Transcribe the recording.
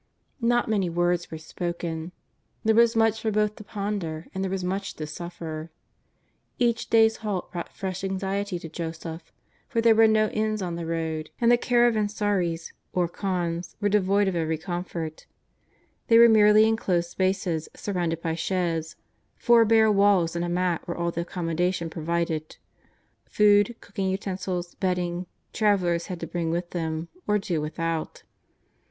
ISTot many words were spoken. There was much for both to ponder, and there was much to suffer. Each day's halt brought fresh anxiety to Joseph, for there were no inns on the road, and the caravansaries, or khans, were devoid of every comfort. They were merely enclosed spaces surrounded by sheds ; four bare walls and a mat were all the accommodation provided; food, cooking utensils, bedding, travellers had to bring with them, or do without.